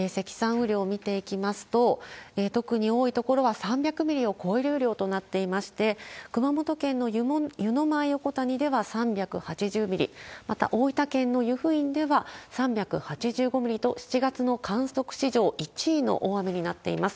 雨量を見ていきますと、特に多い所は３００ミリを超える雨量となっていまして、熊本県の湯前横谷では３８０ミリ、また、大分県の由布院では３８５ミリと、７月の観測史上１位の大雨になっています。